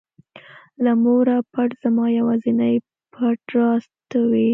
له موره پټ زما یوازینى پټ راز ته وې.